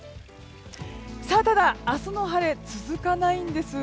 ただ、明日の晴れ続かないんです。